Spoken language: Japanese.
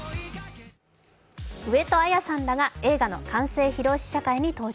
上戸彩さんらが映画の完成披露舞台挨拶に登場。